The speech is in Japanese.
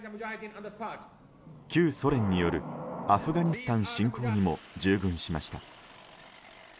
旧ソ連によるアフガニスタン侵攻にも従軍しました。